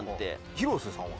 広瀬さんは？